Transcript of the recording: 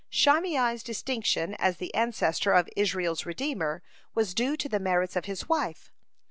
(57) Shimei's distinction as the ancestor of Israel's redeemer was due to the merits of his wife.